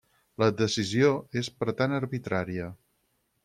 La decisió és per tant arbitrària.